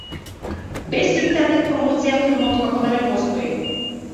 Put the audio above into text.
Без интернет промоција филмот како да не постои.